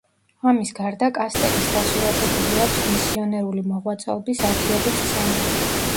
ამის გარდა კასტელის დასურათებული აქვს მისიონერული მოღვაწეობის ათიოდე სცენა.